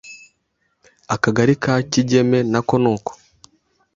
Akagari ka Kigeme nako nuko